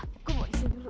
gue bawa istri dulu